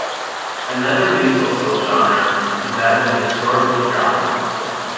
Another musalsal genre is that of the historical drama.